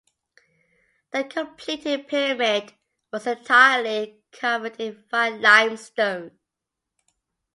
The completed pyramid was entirely covered in fine limestone.